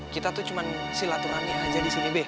kita tuh cuma silaturahmi aja di sini deh